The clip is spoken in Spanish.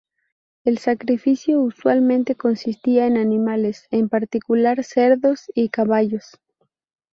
El sacrificio usualmente consistía en animales, en particular cerdos y caballos.